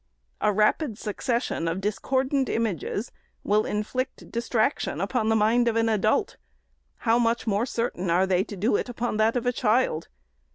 A rapid succession of discordant images will inflict distraction upon the mind of an adult ;— how much more certain are they to do it upon that of a child